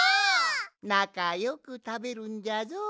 なかよくたべるんじゃぞ。